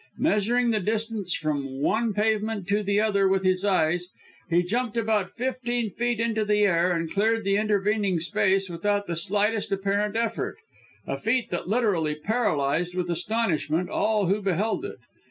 Measuring the distance from one pavement to the other with his eyes, he jumped about fifteen feet into the air and cleared the intervening space without the slightest apparent effort a feat that literally paralysed with astonishment all who beheld it.